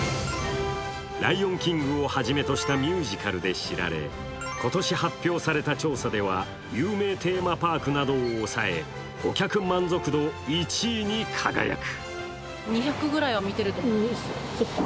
「ライオン・キング」をはじめとしたミュージカルで知られ今年発表された調査では有名テーマパークなどを抑え顧客満足度１位に輝く。